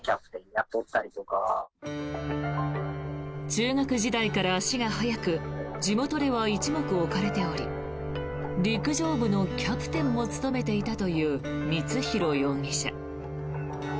中学時代から足が速く地元では一目置かれており陸上部のキャプテンも務めていたという光弘容疑者。